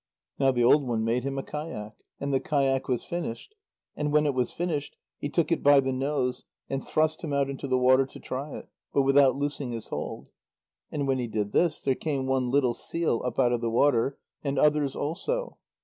Now the old one made him a kayak, and the kayak was finished. And when it was finished, he took it by the nose and thrust him out into the water to try it, but without loosing his hold. And when he did this, there came one little seal up out of the water, and others also.